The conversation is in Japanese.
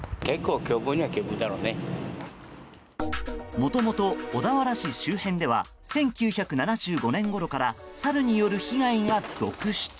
もともと小田原市周辺では１９７５年ごろからサルによる被害が続出。